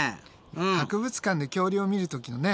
博物館で恐竜を見る時のね